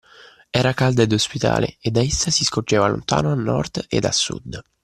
Era calda ed ospitale, e da essa si scorgeva lontano a Nord ed a Sud.